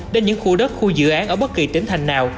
đến những khu đất khu dự án ở bất kỳ tỉnh thành nào